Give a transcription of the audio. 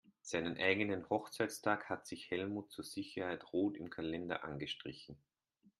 Seinen eigenen Hochzeitstag hat sich Helmut zur Sicherheit rot im Kalender angestrichen.